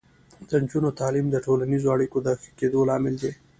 د نجونو تعلیم د ټولنیزو اړیکو د ښه کیدو لامل دی.